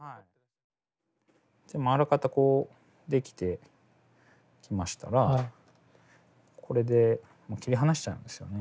あらかたこう出来てきましたらこれでもう切り離しちゃうんですよね。